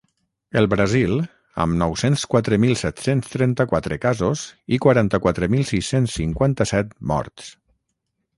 El Brasil, amb nou-cents quatre mil set-cents trenta-quatre casos i quaranta-quatre mil sis-cents cinquanta-set morts.